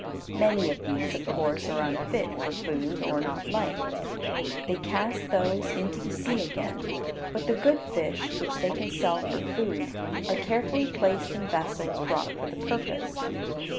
Many of these, of course, are unfit for food, or not liked. They cast those into the sea again, but the good fish which they can sell for food are carefully placed in vessels brought for the purpose.